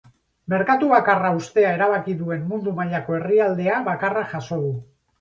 Merkatu bakarra uztea erabaki duen mundu mailako herrialdea bakarra jaso du.